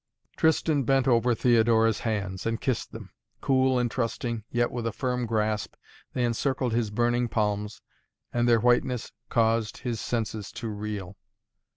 Tristan bent over Theodora's hands and kissed them. Cool and trusting, yet with a firm grasp, they encircled his burning palms and their whiteness caused his senses to reel.